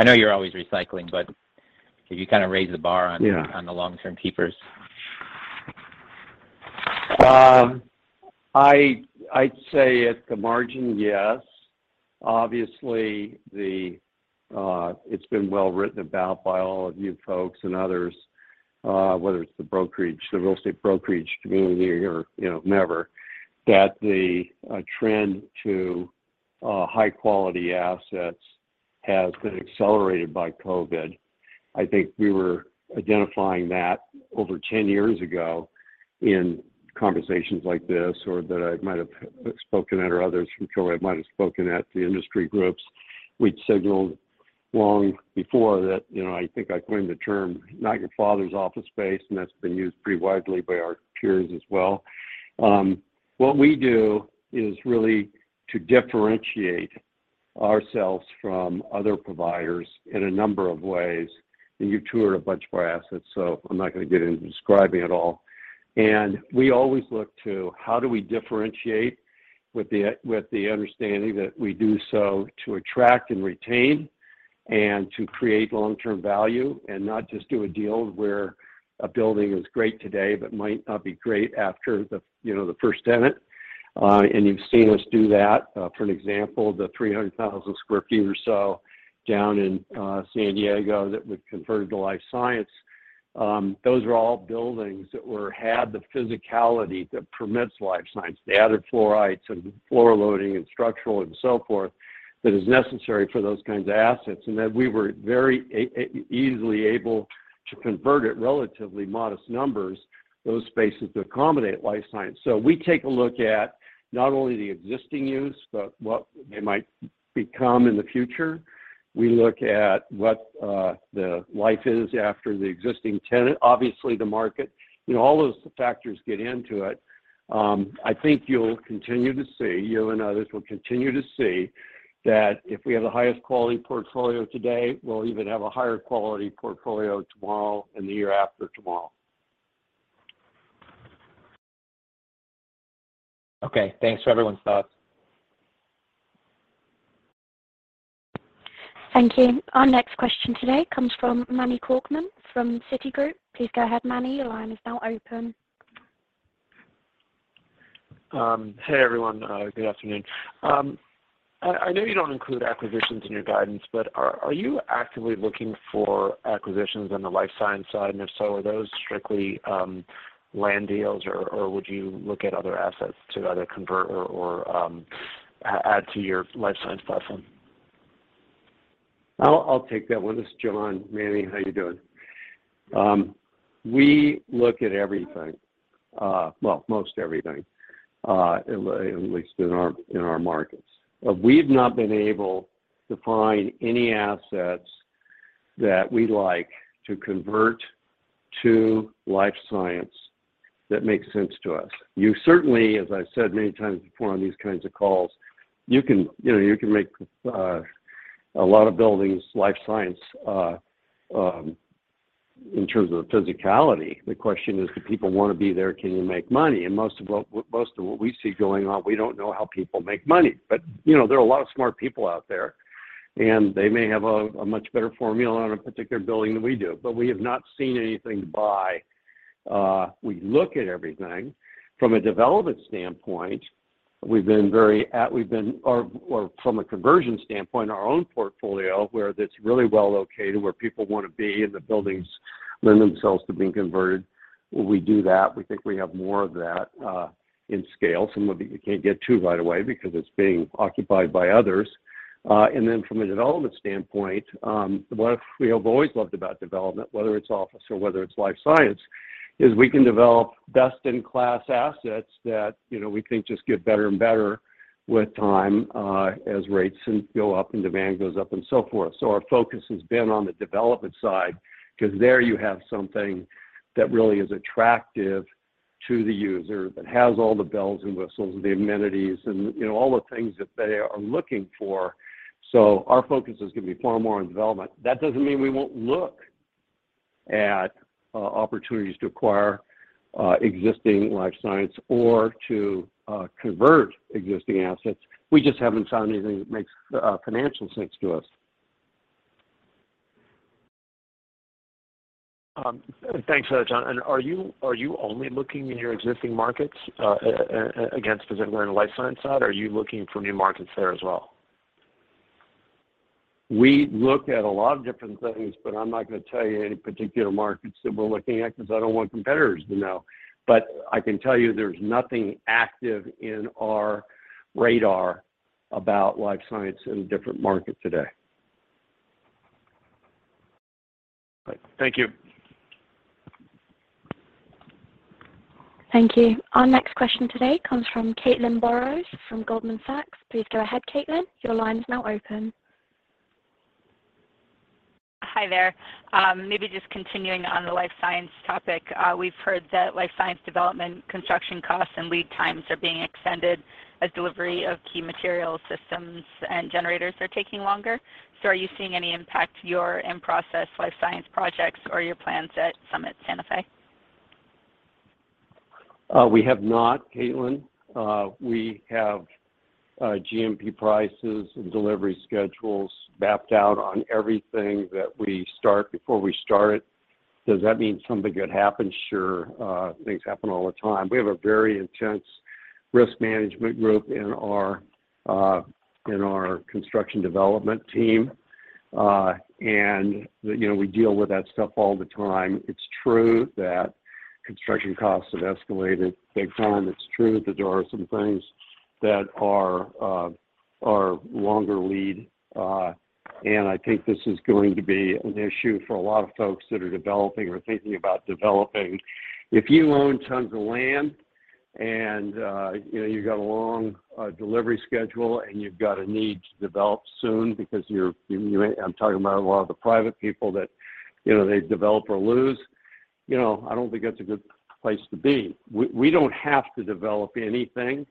I know you're always recycling, but have you kind of raised the bar on the long term keepers? I'd say at the margin, yes. Obviously, it's been well written about by all of you folks and others, whether it's the brokerage, the real estate brokerage community or, you know, that the trend to high quality assets has been accelerated by COVID. I think we were identifying that over 10 years ago in conversations like this, or that I might have spoken at or others from Kilroy might have spoken at the industry groups. We'd signaled long before that, you know, I think I coined the term, not your father's office space, and that's been used pretty widely by our peers as well. What we do is really to differentiate ourselves from other providers in a number of ways. You toured a bunch of our assets, so I'm not gonna get into describing it all. We always look to how do we differentiate with the understanding that we do so to attract and retain and to create long-term value and not just do a deal where a building is great today, but might not be great after the first tenant. You've seen us do that, for example, the 300,000 sq ft or so down in San Diego that we've converted to life science. Those are all buildings that had the physicality that permits life science. They added floor heights and floor loading and structural and so forth that is necessary for those kinds of assets, and that we were very easily able to convert at relatively modest numbers those spaces to accommodate life science. We take a look at not only the existing use, but what they might become in the future. We look at what the life is after the existing tenant, obviously the market. You know, all those factors get into it. I think you and others will continue to see that if we have the highest quality portfolio today, we'll even have a higher quality portfolio tomorrow and the year after tomorrow. Okay. Thanks for everyone's thoughts. Thank you. Our next question today comes from Manny Korchman from Citigroup. Please go ahead, Manny, your line is now open. Hey, everyone, good afternoon. I know you don't include acquisitions in your guidance, but are you actively looking for acquisitions on the life science side? If so, are those strictly land deals or add to your life science platform? I'll take that one. This is John. Manny, how you doing? We look at everything, well, most everything, at least in our markets. We've not been able to find any assets that we like to convert to life science that makes sense to us. You certainly, as I've said many times before on these kinds of calls, you can, you know, you can make a lot of buildings life science in terms of physicality. The question is, do people wanna be there? Can you make money? Most of what we see going on, we don't know how people make money. You know, there are a lot of smart people out there, and they may have a much better formula on a particular building than we do, but we have not seen anything to buy. We look at everything. From a development standpoint, or from a conversion standpoint, our own portfolio where that's really well located, where people wanna be, and the buildings lend themselves to being converted, we do that. We think we have more of that in scale. Some of it you can't get to right away because it's being occupied by others. From a development standpoint, what we have always loved about development, whether it's office or whether it's life science, is we can develop best-in-class assets that, you know, we think just get better and better with time, as rates then go up and demand goes up and so forth. Our focus has been on the development side because there you have something that really is attractive to the user, that has all the bells and whistles and the amenities and, you know, all the things that they are looking for. Our focus is gonna be far more on development. That doesn't mean we won't look at opportunities to acquire existing life science or to convert existing assets. We just haven't found anything that makes financial sense to us. Thanks, John. Are you only looking in your existing markets, or expanding on the life science side, or are you looking for new markets there as well? We look at a lot of different things, but I'm not gonna tell you any particular markets that we're looking at because I don't want competitors to know. I can tell you there's nothing active in our radar about life science in a different market today. Right. Thank you. Thank you. Our next question today comes from Caitlin Burrows from Goldman Sachs. Please go ahead, Caitlin. Your line is now open. Hi there. Maybe just continuing on the life science topic. We've heard that life science development construction costs and lead times are being extended as delivery of key material systems and generators are taking longer. Are you seeing any impact to your in-process life science projects or your plans at Santa Fe Summit? We have not, Caitlin. We have GMP prices and delivery schedules mapped out on everything that we start before we start. Does that mean something could happen? Sure. Things happen all the time. We have a very intense risk management group in our construction development team. You know, we deal with that stuff all the time. It's true that construction costs have escalated big time. It's true that there are some things that are longer lead. I think this is going to be an issue for a lot of folks that are developing or thinking about developing. If you own tons of land and, you know, you've got a long delivery schedule and you've got a need to develop soon because I'm talking about a lot of the private people that, you know, they develop or lose, you know, I don't think that's a good place to be. We don't have to develop anything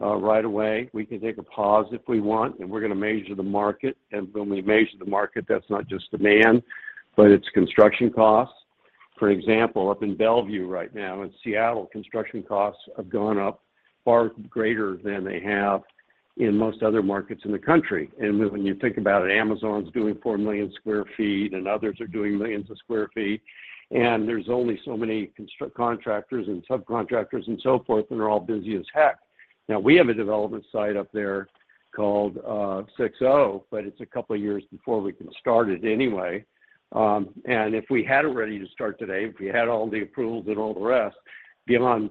right away. We can take a pause if we want, and we're gonna measure the market. When we measure the market, that's not just demand, but it's construction costs. For example, up in Bellevue right now, in Seattle, construction costs have gone up far greater than they have in most other markets in the country. When you think about it, Amazon's doing 4 million sq ft and others are doing millions of square feet, and there's only so many contractors and subcontractors and so forth, and they're all busy as heck. Now, we have a development site up there called SIXO, but it's a couple of years before we can start it anyway. If we had it ready to start today, if we had all the approvals and all the rest, beyond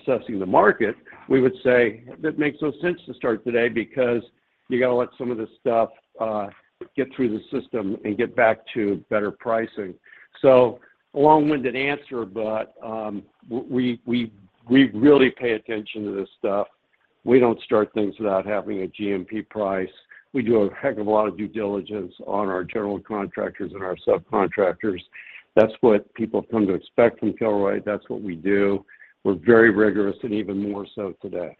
assessing the market, we would say it makes no sense to start today because you got to let some of this stuff get through the system and get back to better pricing. A long-winded answer, but we really pay attention to this stuff. We don't start things without having a GMP price. We do a heck of a lot of due diligence on our general contractors and our subcontractors. That's what people come to expect from Kilroy. That's what we do. We're very rigorous and even more so today.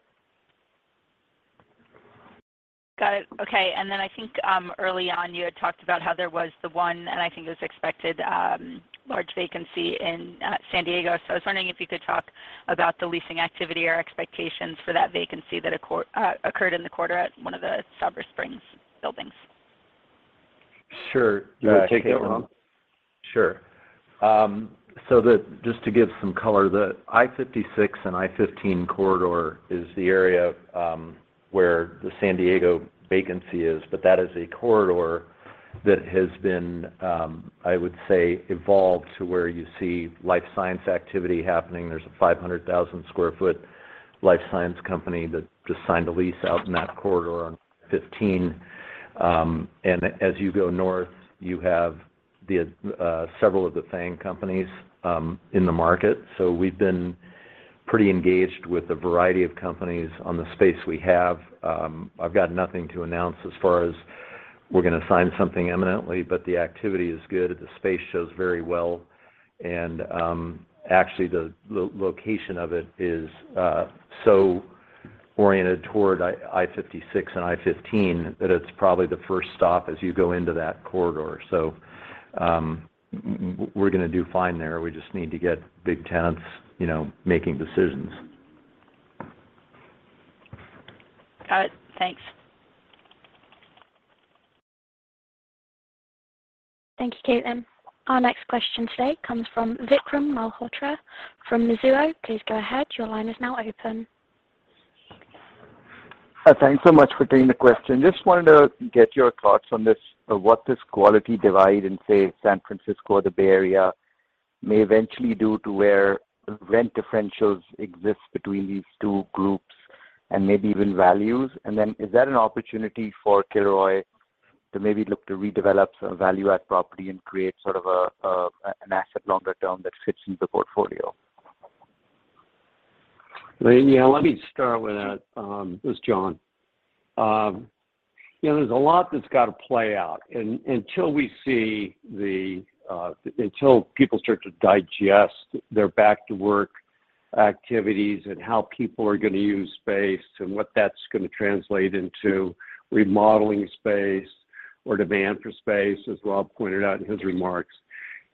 Got it. Okay. I think early on, you had talked about how there was the one, and I think it was expected, large vacancy in San Diego. I was wondering if you could talk about the leasing activity or expectations for that vacancy that occurred in the quarter at one of the Sabre Springs buildings. Sure. You want me to take that one? Yeah. Sure. Just to give some color, the I-56 and I-15 corridor is the area where the San Diego vacancy is, but that is a corridor that has been, I would say, evolved to where you see life science activity happening. There's a 500,000 sq ft life science company that just signed a lease out in that corridor on 15. And as you go north, you have the several of the FAANG companies in the market. We've been pretty engaged with a variety of companies on the space we have. I've got nothing to announce as far as we're gonna sign something imminently, but the activity is good. The space shows very well. Actually the location of it is so oriented toward I-56 and I-15 that it's probably the first stop as you go into that corridor. We're gonna do fine there. We just need to get big tenants, you know, making decisions. Got it. Thanks. Thank you, Caitlin. Our next question today comes from Vikram Malhotra from Mizuho. Please go ahead. Your line is now open. Thanks so much for taking the question. Just wanted to get your thoughts on this, what this quality divide in, say, San Francisco or the Bay Area may eventually do to where rent differentials exist between these two groups and maybe even values. Is that an opportunity for Kilroy to maybe look to redevelop some value add property and create sort of an asset longer term that fits into the portfolio? Yeah. Let me start with that. This is John. You know, there's a lot that's got to play out. Until people start to digest their back to work activities and how people are gonna use space and what that's gonna translate into remodeling space or demand for space, as Rob pointed out in his remarks,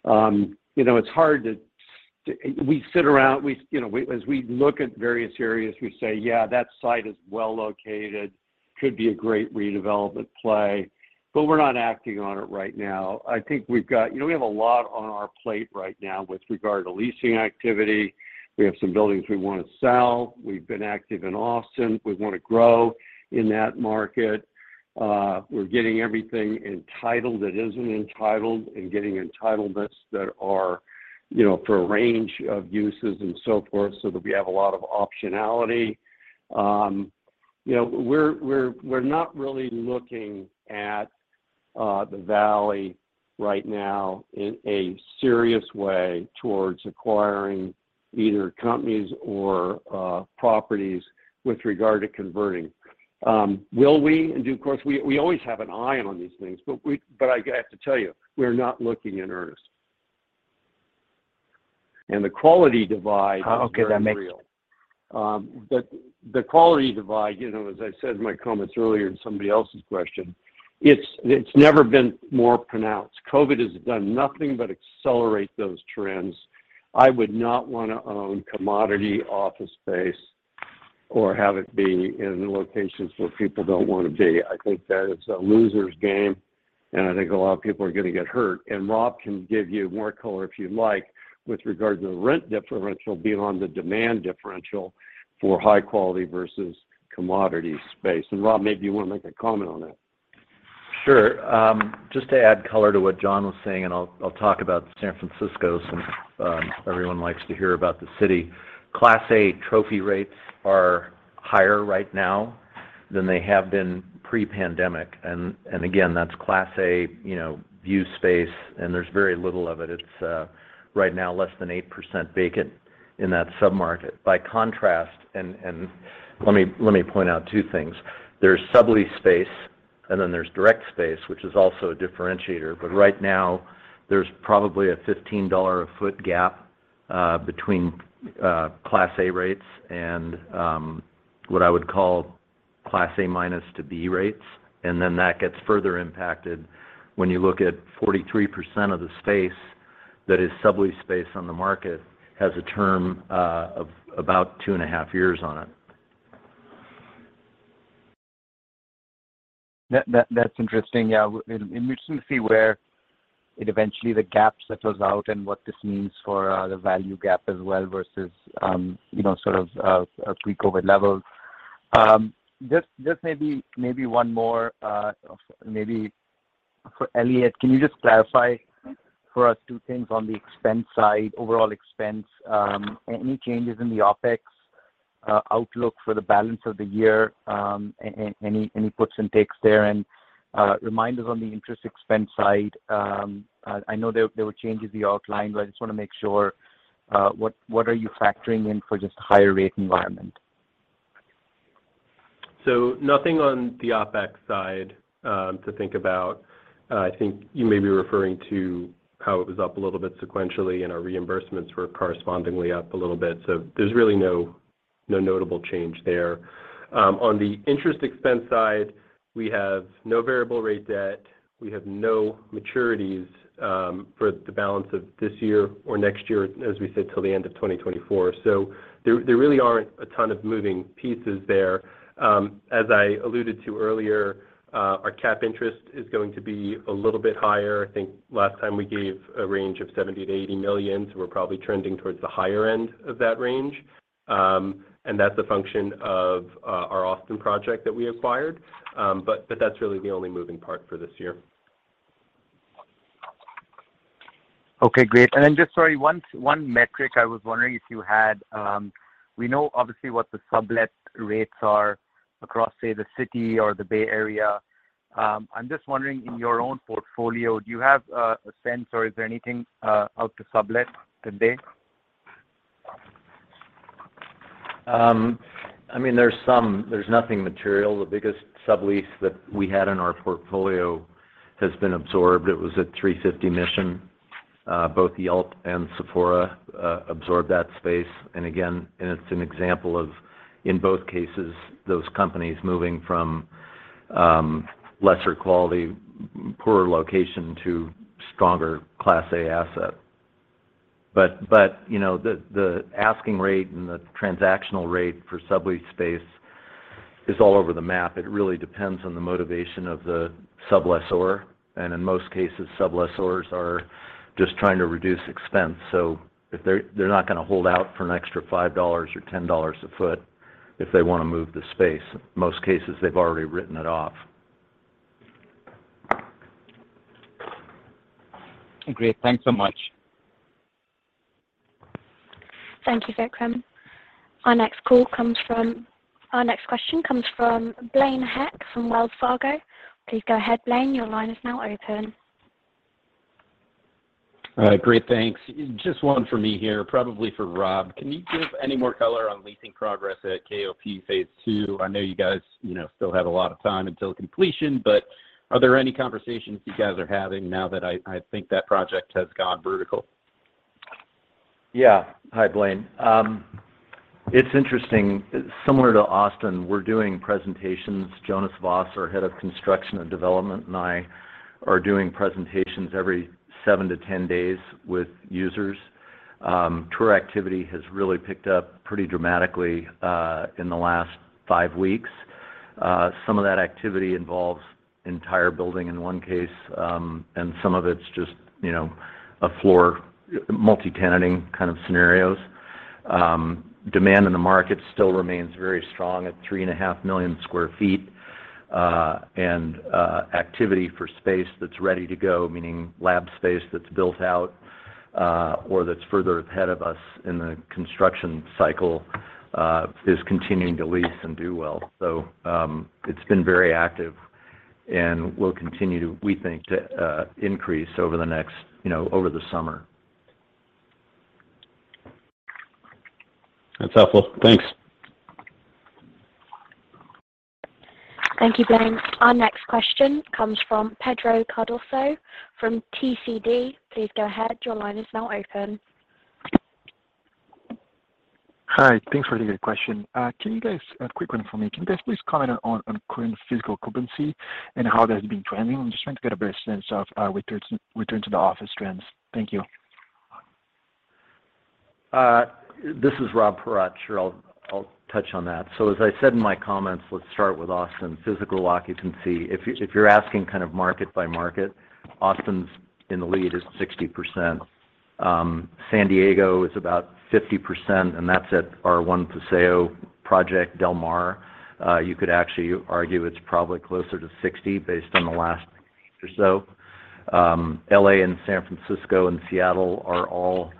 you know, it's hard to. We sit around, you know, as we look at various areas, we say, "Yeah, that site is well located. Could be a great redevelopment play," but we're not acting on it right now. I think we've got. You know, we have a lot on our plate right now with regard to leasing activity. We have some buildings we wanna sell. We've been active in Austin. We wanna grow in that market. We're getting everything entitled that isn't entitled and getting entitlements that are, you know, for a range of uses and so forth, so that we have a lot of optionality. You know, we're not really looking at the valley right now in a serious way towards acquiring either companies or properties with regard to converting. Will we? Of course, we always have an eye on these things, but I got to tell you, we're not looking in earnest. The quality divide is very real. The quality divide, you know, as I said in my comments earlier in somebody else's question, it's never been more pronounced. COVID has done nothing but accelerate those trends. I would not wanna own commodity office space or have it be in locations where people don't wanna be. I think that it's a loser's game, and I think a lot of people are gonna get hurt. Rob can give you more color if you'd like with regard to the rent differential beyond the demand differential for high quality versus commodity space. Rob, maybe you wanna make a comment on that. Sure. Just to add color to what John was saying, and I'll talk about San Francisco since everyone likes to hear about the city. Class A trophy rates are higher right now than they have been pre-pandemic. Again, that's Class A, you know, view space, and there's very little of it. It's right now less than 8% vacant in that sub-market. By contrast, let me point out two things. There's sublease space, and then there's direct space, which is also a differentiator. But right now there's probably a $15 a foot gap between Class A rates and what I would call Class A- to B rates. That gets further impacted when you look at 43% of the space. That is, sublease space on the market has a term of about 2.5 years on it. That's interesting. Yeah. We'll soon see where it eventually the gap settles out and what this means for the value gap as well versus you know sort of pre-COVID levels. Just maybe one more for Eliott. Can you just clarify for us two things on the expense side, overall expense? Any changes in the OpEx outlook for the balance of the year, any puts and takes there? Remind us on the interest expense side. I know there were changes you outlined, but I just wanna make sure what are you factoring in for just higher rate environment? Nothing on the OpEx side, to think about. I think you may be referring to how it was up a little bit sequentially, and our reimbursements were correspondingly up a little bit, so there's really no notable change there. On the interest expense side, we have no variable rate debt. We have no maturities, for the balance of this year or next year, as we said, till the end of 2024. There really aren't a ton of moving pieces there. As I alluded to earlier, our cap interest is going to be a little bit higher. I think last time we gave a range of $70 million-$80 million, so we're probably trending towards the higher end of that range. That's a function of our Austin project that we acquired. That's really the only moving part for this year. Okay, great. Then just sorry, one metric I was wondering if you had, we know obviously what the sublet rates are across, say, the city or the Bay Area. I'm just wondering, in your own portfolio, do you have, a sense or is there anything, out to sublet today? I mean, there's nothing material. The biggest sublease that we had in our portfolio has been absorbed. It was at 350 Mission. Both Yelp and Sephora absorbed that space. Again, it's an example of, in both cases, those companies moving from lesser quality, poorer location to stronger Class A asset. You know, the asking rate and the transactional rate for sublease space is all over the map. It really depends on the motivation of the sublessor, and in most cases, sublessors are just trying to reduce expense. If they're not gonna hold out for an extra $5 or $10 a foot if they wanna move the space. Most cases, they've already written it off. Great. Thanks so much. Thank you, Vikram. Our next question comes from Blaine Heck from Wells Fargo. Please go ahead, Blaine. Your line is now open. Great, thanks. Just one for me here, probably for Rob. Can you give any more color on leasing progress at KOP phase II? I know you guys, you know, still have a lot of time until completion, but are there any conversations you guys are having now that I think that project has gone vertical? Hi, Blaine. It's interesting. Similar to Austin, we're doing presentations. Jonas Vass, our Head of Construction and Development, and I are doing presentations every 7-10 days with users. Tour activity has really picked up pretty dramatically in the last five weeks. Some of that activity involves entire building in one case, and some of it's just, you know, a floor multi-tenanting kind of scenarios. Demand in the market still remains very strong at 3.5 million sq ft. Activity for space that's ready to go, meaning lab space that's built out or that's further ahead of us in the construction cycle, is continuing to lease and do well. It's been very active and will continue to, we think, increase over the next, you know, over the summer. That's helpful. Thanks. Thank you, Blaine. Our next question comes from Pedro Cardoso from TCD. Please go ahead. Your line is now open. Hi. Thanks for the good question. Quick one for me. Can you guys please comment on current physical occupancy and how that's been trending? I'm just trying to get a better sense of returns, return to the office trends. Thank you. This is Rob Paratte. Sure, I'll touch on that. As I said in my comments, let's start with Austin. Physical occupancy. If you're asking kind of market by market, Austin's in the lead at 60%. San Diego is about 50%, and that's at our One Paseo project, Del Mar. You could actually argue it's probably closer to 60% based on the last year or so. LA and San Francisco and Seattle are all.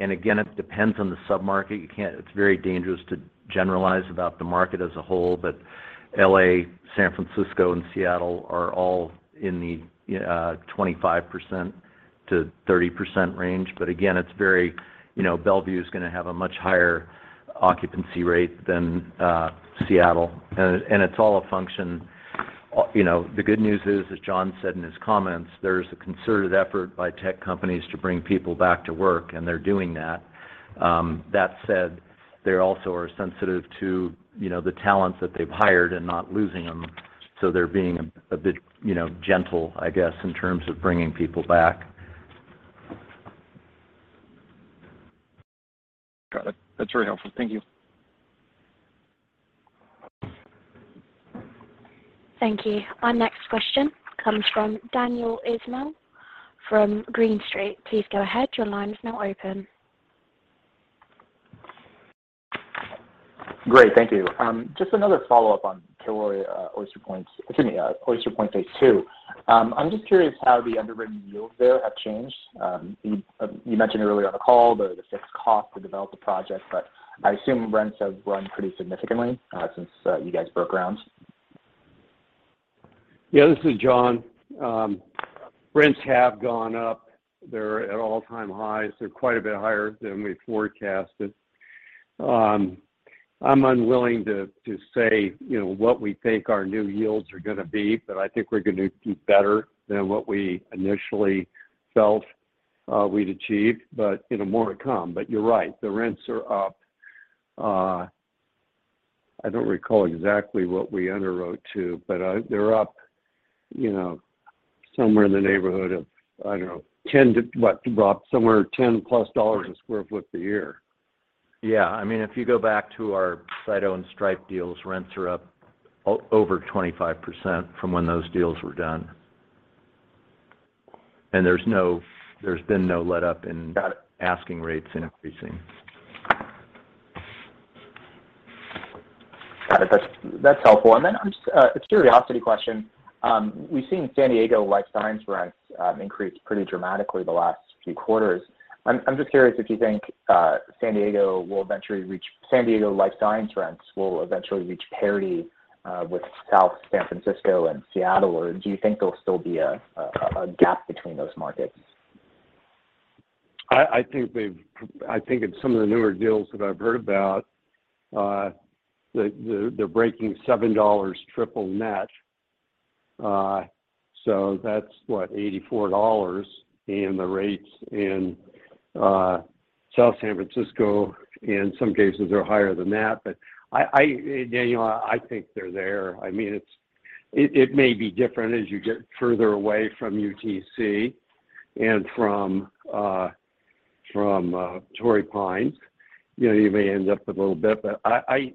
Again, it depends on the sub-market. You can't. It's very dangerous to generalize about the market as a whole, but LA, San Francisco, and Seattle are all in the 25%-30% range. But again, it's very, you know, Bellevue is gonna have a much higher occupancy rate than Seattle. It's all a function. You know, the good news is, as John said in his comments, there's a concerted effort by tech companies to bring people back to work, and they're doing that. That said, they also are sensitive to, you know, the talents that they've hired and not losing them. So they're being a bit, you know, gentle, I guess, in terms of bringing people back. Got it. That's very helpful. Thank you. Thank you. Our next question comes from Daniel Ismail from Green Street. Please go ahead. Your line is now open. Great. Thank you. Just another follow-up on Kilroy, Oyster Point Phase II. I'm just curious how the underwritten yields there have changed. You mentioned earlier on the call the fixed cost to develop the project, but I assume rents have run pretty significantly, since you guys broke ground. Yeah, this is John. Rents have gone up. They're at all-time highs. They're quite a bit higher than we forecasted. I'm unwilling to say, you know, what we think our new yields are gonna be, but I think we're gonna do better than what we initially felt we'd achieve. More to come. You're right, the rents are up. I don't recall exactly what we underwrote to, but they're up, you know, somewhere in the neighborhood of, I don't know, $10 to, what, Rob? Somewhere $10+ a sq ft a year. Yeah. I mean, if you go back to our Cytokinetics and Stripe deals, rents are up over 25% from when those deals were done. There's been no letup in asking rates increasing. Got it. That's helpful. Then I'm just a curiosity question. We've seen San Diego life science rents increase pretty dramatically the last few quarters. I'm just curious if you think San Diego life science rents will eventually reach parity with South San Francisco and Seattle, or do you think there'll still be a gap between those markets? I think in some of the newer deals that I've heard about, they're breaking $7 triple net. So that's what? $84. The rates in South San Francisco in some cases are higher than that. Daniel, I think they're there. I mean, it may be different as you get further away from UTC and from Torrey Pines. You know, you may end up with a little bit but a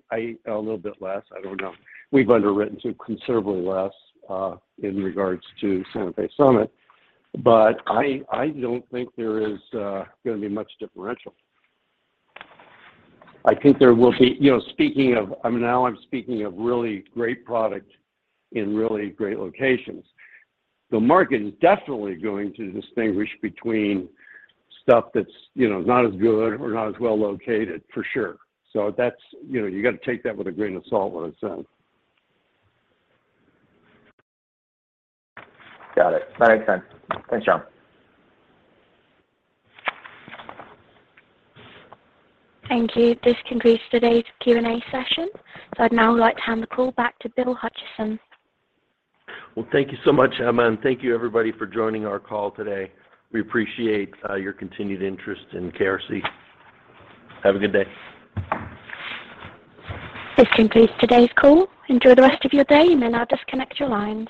little bit less, I don't know. We've underwritten to considerably less in regards to Santa Fe Summit. I don't think there is gonna be much differential. I think there will be. I mean, now I'm speaking of really great product in really great locations. The market is definitely going to distinguish between stuff that's, you know, not as good or not as well-located, for sure. That's, you know, you gotta take that with a grain of salt what I said. Got it. That makes sense. Thanks, John. Thank you. This concludes today's Q&A session. I'd now like to hand the call back to Bill Hutcheson. Well, thank you so much, Emma, and thank you everybody for joining our call today. We appreciate your continued interest in KRC. Have a good day. This concludes today's call. Enjoy the rest of your day, and then I'll disconnect your lines.